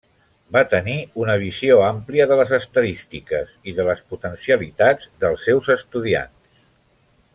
Va tenir una visió àmplia de les estadístiques i de les potencialitats dels seus estudiants.